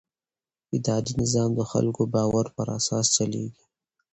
اداري نظام د خلکو د باور پر اساس چلېږي.